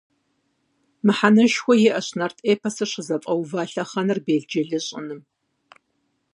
Мыхьэнэшхуэ иӏэщ нарт эпосыр щызэфӏэува лъэхъэнэр белджылы щӏыным.